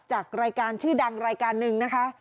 จากรายการชื่อดังรายการหนึ่งนะคะ